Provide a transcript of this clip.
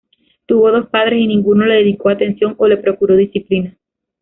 Tuvo dos padres y ninguno le dedicó atención o le procuró disciplina.